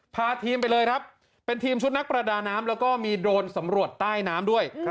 พาทีมไปเลยครับเป็นทีมชุดนักประดาน้ำแล้วก็มีโดรนสำรวจใต้น้ำด้วย